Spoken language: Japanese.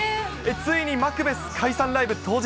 ついにマクベス解散ライブ当日。